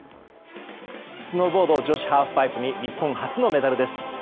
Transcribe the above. スノーボード女子ハーフパイプに日本初のメダルです。